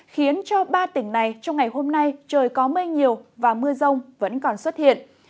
khiến cho ba tỉnh này trong ngày hôm nay trời có mây nhiều và mưa rông vẫn còn xuất hiện